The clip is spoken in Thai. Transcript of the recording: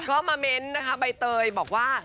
ก็มาเม้นต์นะคะใบเตยบอกว่า